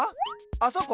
あそこ？